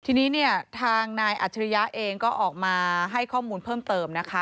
ทีนี้เนี่ยทางนายอัจฉริยะเองก็ออกมาให้ข้อมูลเพิ่มเติมนะคะ